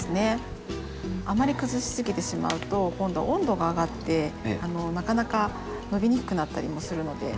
あまり崩しすぎてしまうと今度温度が上がってなかなか伸びにくくなったりもするので。